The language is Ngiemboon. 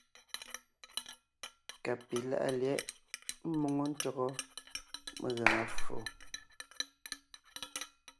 Ka pi láʼa lyɛ̌ʼ ḿmoŋo ntÿɔgɔ megaŋa ffo.